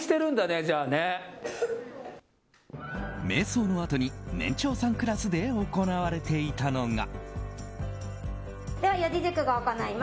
瞑想のあとに年長さんクラスで行われていたのが。